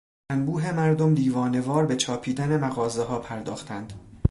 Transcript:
انبوه مردم دیوانه وار به چاپیدن مغازهها پرداختند.